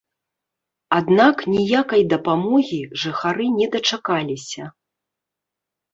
Аднак ніякай дапамогі жыхары на дачакаліся.